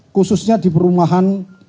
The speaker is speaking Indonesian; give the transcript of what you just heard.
khususnya di perumahan